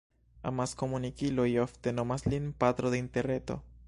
Amaskomunikiloj ofte nomas lin «patro de Interreto».